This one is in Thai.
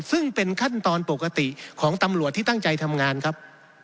ซึ่งเป็นขั้นตอนปกติของตำรวจที่ตั้งใจทำงานครับ